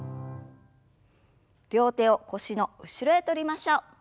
両手を腰の後ろへ取りましょう。